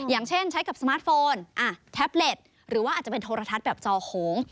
อย่างเช่นใช้กับสมาร์ทโฟนแท็บเล็ตหรือว่าอาจจะเป็นโทรทัศน์แบบจอโหง